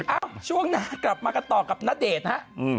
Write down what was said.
ช่วงหน้ากลับมากันต่อกับณเดชน์ฮะ